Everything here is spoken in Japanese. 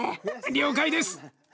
了解です！